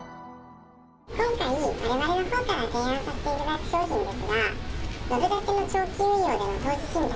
今回、われわれのほうから提案させていただく商品ですが、ドル建ての長期運用の投資信託。